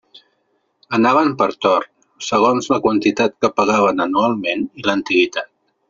Anaven per torn, segons la quantitat que pagaven anualment i l'antiguitat.